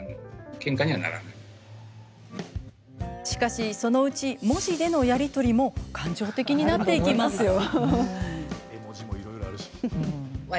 しかし、そのうち文字でのやり取りも感情的になっていきます。